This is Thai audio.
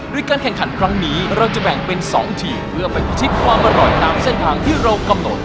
โดยการแข่งขันครั้งนี้เราจะแบ่งเป็น๒ทีมเพื่อไปพิชิตความอร่อยตามเส้นทางที่เรากำหนด